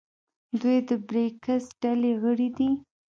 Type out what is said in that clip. دوی د بریکس ډلې غړي دي.